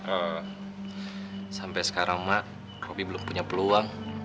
eh sampai sekarang mak robby belum punya peluang